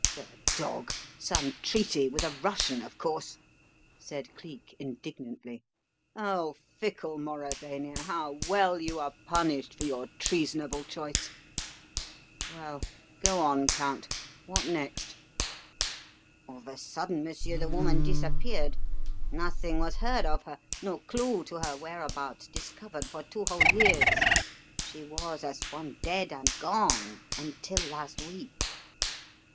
"The dog! Some treaty with a Russian, of course!" said Cleek indignantly. "Oh, fickle Mauravania, how well you are punished for your treasonable choice! Well, go on, Count. What next?" "Of a sudden, monsieur, the woman disappeared. Nothing was heard of her, no clue to her whereabouts discovered for two whole years. She was as one dead and gone until last week."